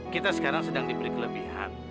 kita sekarang sedang diberi kelebihan